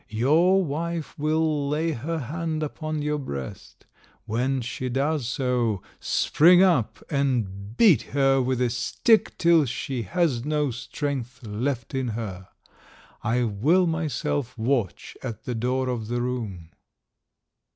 Your wife will lay her hand upon your breast. When she does so, spring up and beat her with a stick till she has no strength left in her. I will myself watch at the door of the room."